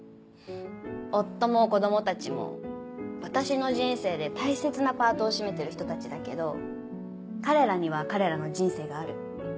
夫も子供たちも私の人生で大切なパートを占めてる人たちだけど彼らには彼らの人生がある。